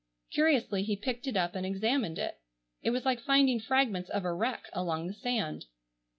Curiously he picked it up and examined it. It was like finding fragments of a wreck along the sand.